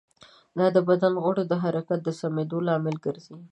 دا د بدن د غړو د حرکت د سمېدو لامل ګرځي.